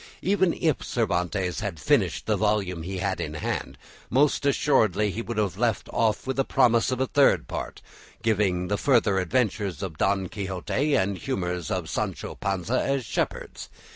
Even if Cervantes had finished the volume he had in hand, most assuredly he would have left off with a promise of a Third Part, giving the further adventures of Don Quixote and humours of Sancho Panza as shepherds.